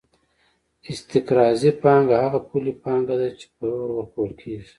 استقراضي پانګه هغه پولي پانګه ده چې پور ورکول کېږي